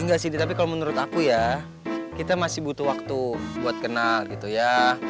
enggak sih tapi kalau menurut aku ya kita masih butuh waktu buat kenal gitu ya